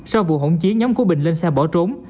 sau vụ hỗn chiến nhóm của bình lên xe bỏ trốn